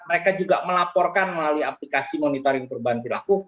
mereka juga melaporkan melalui aplikasi monitoring perubahan perilaku